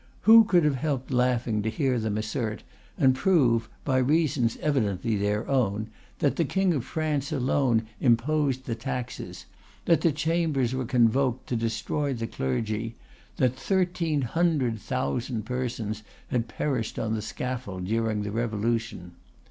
Who could have helped laughing to hear them assert and prove, by reasons evidently their own, that the King of France alone imposed the taxes, that the Chambers were convoked to destroy the clergy, that thirteen hundred thousand persons had perished on the scaffold during the Revolution?